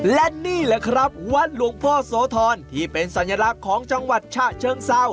และนี่แหละครับวัดหลวงพ่อโสธรที่เป็นสัญลักษณ์ของจังหวัดฉะเชิงเศร้า